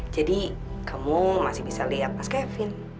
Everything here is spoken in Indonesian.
kamu masih bisa lihat mas kevin